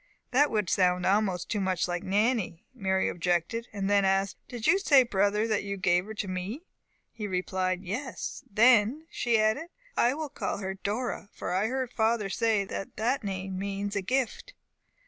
"That would sound almost too much like Nannie," Mary objected, and then asked, "Did you say, brother, that you gave her to me?" He replied, "Yes." "Then," she added, "I will call her Dora, for I heard father say that that name means a gift."